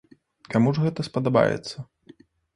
Каму ж гэта спадабаецца.